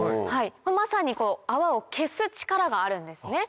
まさに泡を消す力があるんですね。